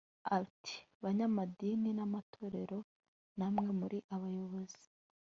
Ati “Banyamadini n’amatorero namwe muri abayobozi